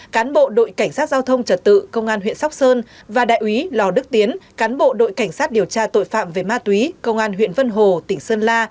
cán bộ đội cảnh sát giao thông trật tự công an huyện sóc sơn và đại úy lò đức tiến cán bộ đội cảnh sát điều tra tội phạm về ma túy công an huyện vân hồ tỉnh sơn la